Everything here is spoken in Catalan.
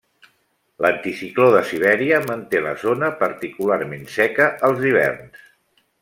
L'anticicló de Sibèria manté la zona particularment seca als hiverns.